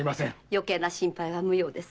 余計な心配は無用です。